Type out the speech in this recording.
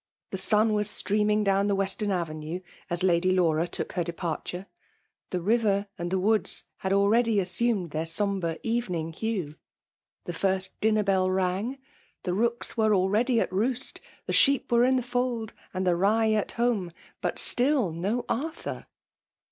The sun was streaming down the western avenue, as lady Laura took her departure. The rivi^ and the woods had already assumed their 216 FEMALE DOMINATION. sombre evening hue. The first dinner bell rang; the rooks were already at roost; the f sheep were in the fauld> and the rye at hame," but still no Arthur.